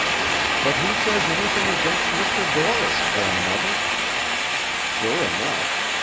"But who says anything against Mr. Dorris, grandmother?" Sure enough!